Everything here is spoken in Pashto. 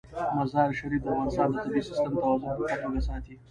مزارشریف د افغانستان د طبعي سیسټم توازن په ښه توګه ساتي.